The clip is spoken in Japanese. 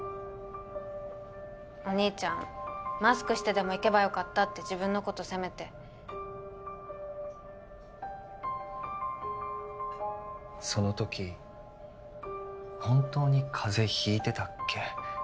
お兄ちゃんマスクしてでも行けばよかったって自分のこと責めてその時本当に風邪ひいてたっけ